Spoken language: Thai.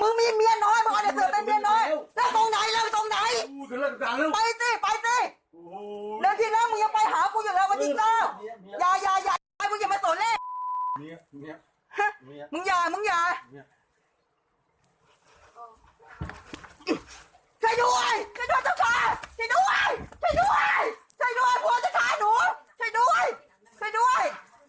เอ้าคะไอพ่อจะชายหนูช่วยด้วยช่วยด้วย